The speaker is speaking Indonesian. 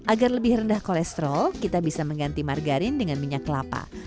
agar lebih rendah kolesterol kita bisa mengganti margarin dengan minyak kelapa